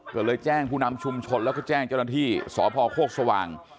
ก็เลยแจ้งผู้นำชุมชนแล้วก็แจ้งเจ้าหน้าที่สพโคกสว่าง